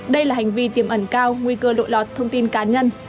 đây là hành vi tiềm ẩn cao nguy cơ lội lọt thông tin cá nhân